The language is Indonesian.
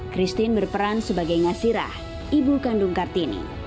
christine berperan sebagai ngasirah ibu kandung kartini